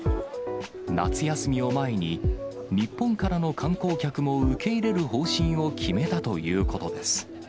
夏休みを前に、日本からの観光客も受け入れる方針を決めたということです。